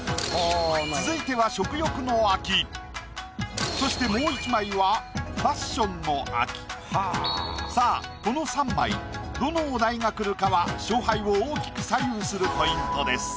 続いてはそしてもう１枚はさあこの３枚どのお題が来るかは勝敗を大きく左右するポイントです。